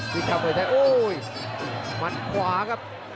พี่ละปะมวยไทยโอ้โหมันขวาครับ